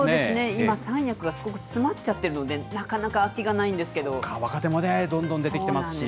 今三役がすごく詰まっちゃってるので、なかなか空きがないんです若手もどんどん出てきてます